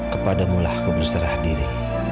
kepadamulah aku berserah diri